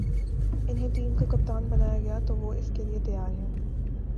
انہیں ٹیم کا کپتان بنایا گیا تو وہ اس کے لیے تیار ہیں